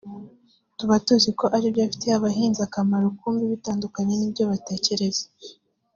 "Tuba tuzi ko ribyo bifitiye abahinzi akamaro kumbi bitandukanye n’ibyo batekereza